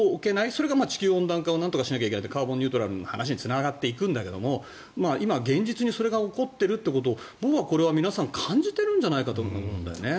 それが地球温暖化をなんとかしなきゃいけないってカーボンニュートラルの話につながっていくんだけど今、現実にそれが起こっているということを僕はこれは皆さん感じているんじゃないかと思うんだよね。